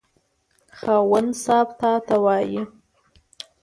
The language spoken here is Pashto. خاوند صاحب ته وايي.